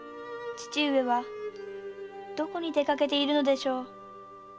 父上はどこに出かけているのでしょう。